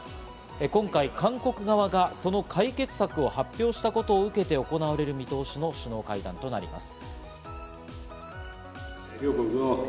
今回、韓国側がその解決策を発表したことを受けて行われる見通しの首脳会談となります。